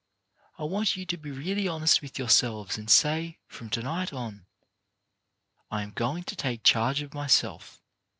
I want you to be really honest with yourselves and say, from to night on, "I am going to take charge of myself.